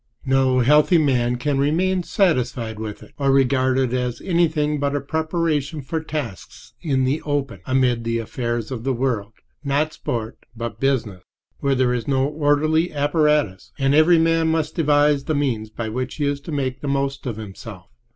No healthy man can remain satisfied with it, or regard it as anything but a preparation for tasks in the open, amid the affairs of the world—not sport, but business—where there is no orderly apparatus, and every man must devise the means by which he is to make the most of himself.